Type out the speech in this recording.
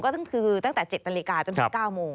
ก็คือตั้งแต่๗นาฬิกาจนถึง๙โมง